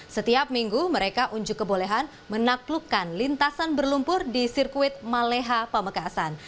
setiap minggu mereka unjuk kebolehan menaklukkan lintasan berlumpur di sirkuit maleha pamekasan